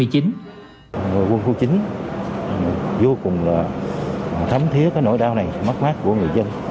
đội quân khu chính vô cùng thấm thiết nỗi đau này mất mát của người dân